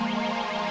ada yang menginginkan